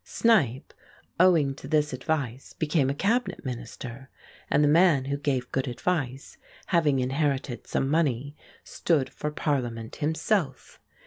Snipe, owing to this advice, became a Cabinet Minister, and the man who gave good advice, having inherited some money, stood for Parliament himself.